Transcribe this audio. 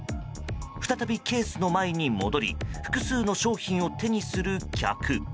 再びケースの前に戻り複数の商品を手にする客。